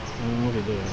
satu kosong pindah